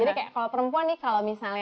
kayak kalau perempuan nih kalau misalnya